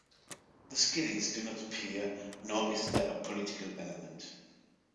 The "Skinnies" do not appear, nor is there a political element.